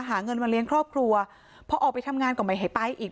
หาเงินมาเลี้ยงครอบครัวพอออกไปทำงานก็ไม่ให้ไปอีก